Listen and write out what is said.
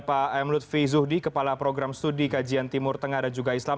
pak m lutfi zuhdi kepala program studi kajian timur tengah dan juga islam